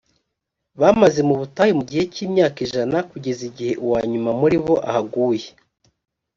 bamaze mu butayu mu gihe cy’imyaka ijana kugeza igihe uwa nyuma muri bo ahaguye